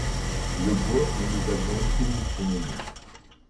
le bois où nous avions été nous promener.